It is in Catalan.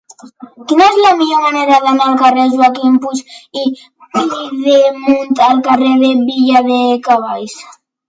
Quina és la millor manera d'anar del carrer de Joaquim Puig i Pidemunt al carrer de Viladecavalls?